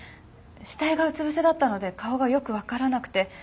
死体がうつ伏せだったので顔がよくわからなくて。